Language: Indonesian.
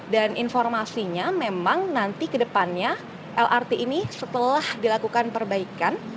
dan informasinya memang nanti ke depannya lrt ini setelah dilakukan perbaikan